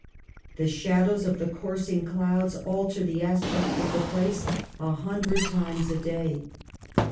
The shadows of the coursing clouds alter the aspect of the place a hundred times a day.